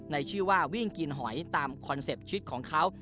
ในชื่อว่าวิ่งกินหอยตามคอนเซ็ปต์ชีวิตของเขา